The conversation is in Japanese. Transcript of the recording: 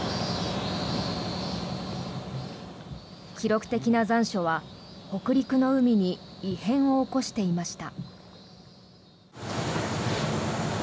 記録的な残暑は北陸の海に異変を起こしていました。